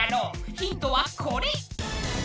ヒントはこれ！